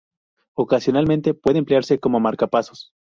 Ocasionalmente puede emplearse como marcapasos.